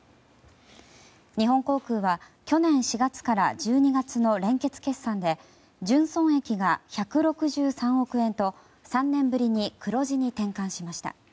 日本航空は去年４月から１２月の連結決算で純損益が１６３億円と３年ぶりに黒字に転換しました。